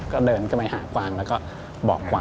ก็เดินเข้าไปหากวางแล้วก็บอกกวาง